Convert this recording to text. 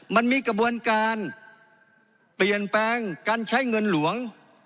มันมีกระบวนการเปลี่ยนแปลงการใช้เงินหลวง